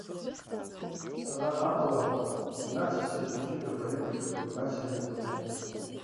Сара, амала инацысҵоит хәыҷык аполитика аҟнытә ацыркьрақәа иамоу.